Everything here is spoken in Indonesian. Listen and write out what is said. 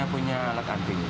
kita punya alat anti